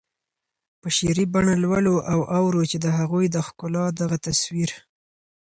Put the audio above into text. په شعري بڼه لولو او اورو چې د هغوی د ښکلا دغه تصویر